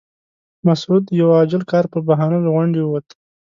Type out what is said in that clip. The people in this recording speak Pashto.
مسعود د یوه عاجل کار په بهانه له غونډې ووت.